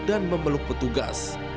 dan memeluk petugas